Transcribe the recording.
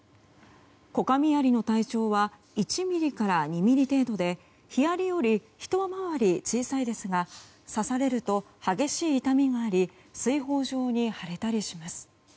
コカミアリの体長は１ｍｍから２ｍｍ程度でヒアリよりひと回り小さいですが刺されると激しい痛みがあり水疱状に腫れたりします。